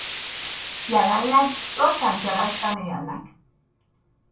Jelenleg Los Angeles-ben élnek.